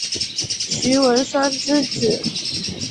徐文铨之子。